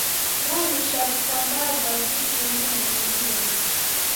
Mwalusha vitambaa va vifumbi na mindi yenyu.